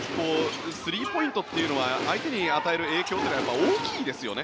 スリーポイントというのは相手に与える影響は大きいですよね。